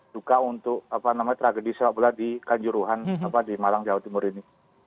duka untuk tragedi sepak bola di kanjuruhan di malang jawa timur ini